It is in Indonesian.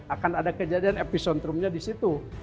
akan ada kejadian epicentrumnya di situ